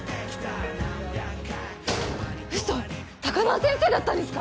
ウソッ高輪先生だったんですか！？